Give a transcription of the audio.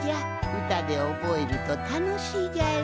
うたでおぼえるとたのしいじゃろ？